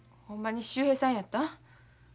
ほんまに秀平さんやった？